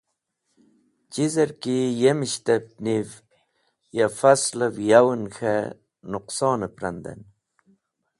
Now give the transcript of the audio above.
Chizer ki yemishtep niv ya faslev yawen k̃he nũqsonep randen.